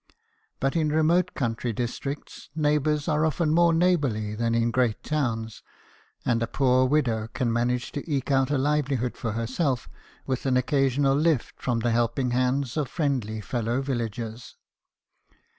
But in remote country dis THOMAS TELFORD, STONEMASON. 7 tricts, neighbours are often more neighbourly than in great towns ; and a poor widow can manage to eke out a livelihood for herself with o an occasional lift from the helping hands of friendly fellow villagers.